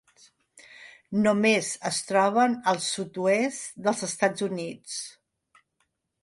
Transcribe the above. Només es troben al sud-oest dels Estats Units.